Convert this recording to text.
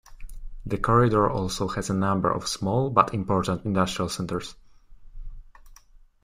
The corridor also has a number of small but important industrial centers.